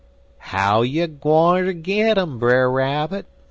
"'How you gwineter git um, Brer Rabbit?'